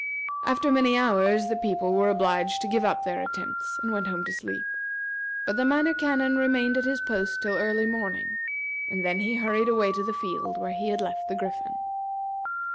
After many hours the people were obliged to give up their attempts, and went home to sleep; but the Minor Canon remained at his post till early morning, and then he hurried away to the field where he had left the Griffin.